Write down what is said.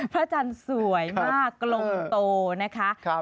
พระจันสวยมากกลมโตนะครับ